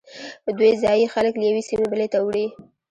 دوی ځایی خلک له یوې سیمې بلې ته وړي